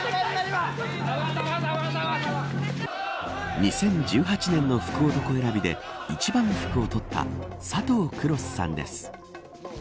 ２０１８年の福男選びで一番福を取った佐藤玄主さんです。